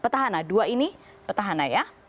petahana dua ini petahana ya